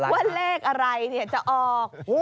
ว่าเลขอะไรจะออก